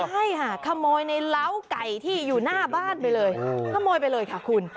ใช่ค่ะขโมยในเล้าไก่ที่อยู่หน้าบ้านไปเลยขโมยไปเลยค่ะคุณ